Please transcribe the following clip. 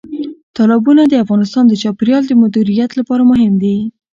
تالابونه د افغانستان د چاپیریال مدیریت لپاره مهم دي.